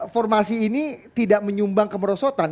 formasi ini tidak menyumbang kemerosotan